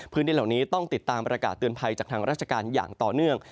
พื้นที่เหล่านี้ต้องติดตามประกาศเตือนภัยจากทางราชการอย่างต่อเนื่อง